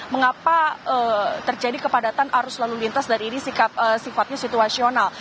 mengapa terjadi kepadatan arus lalu lintas dan ini sifatnya situasional